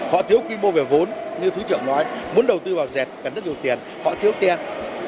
họ thiếu quy mô về vốn như thứ trưởng nói muốn đầu tư vào dệt cần rất nhiều tiền họ thiếu tiền